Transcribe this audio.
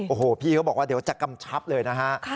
โอ้โหพี่เขาบอกว่าเดี๋ยวจะกำชับเลยนะฮะ